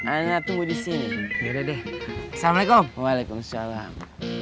anak tunggu di sini ya udah deh assalamualaikum waalaikumsalam